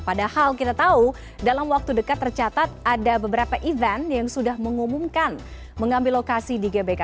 padahal kita tahu dalam waktu dekat tercatat ada beberapa event yang sudah mengumumkan mengambil lokasi di gbk